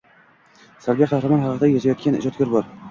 Salbiy qahramon haqida yozayotgan ijodkor bor.